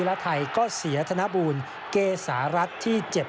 และไทยก็เสียธนบูลเกษารัฐที่เจ็บ